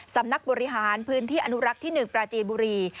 สำนักบริหารพื้นที่อนุรักษ์ที่๑ปราจีนบุรี